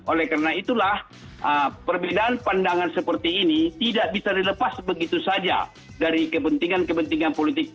oleh karena itulah perbedaan pandangan seperti ini tidak bisa dilepas begitu saja dari kepentingan kepentingan politik